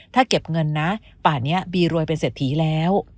ถ้าเก็บเงินนะป่านนี้บีรวยเป็นเศรษฐีแล้ว